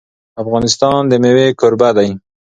افغانستان د مېوې کوربه دی.